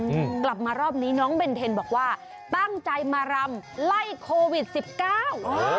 อืมกลับมารอบนี้น้องเบนเทนบอกว่าตั้งใจมารำไล่โควิดสิบเก้าอ๋อ